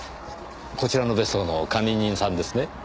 こちらの別荘の管理人さんですね？